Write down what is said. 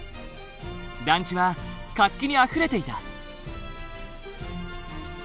団地は活気にあふれていた。